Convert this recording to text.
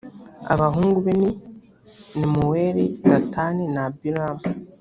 abahungu be ni nemuweli, datani na abiramu.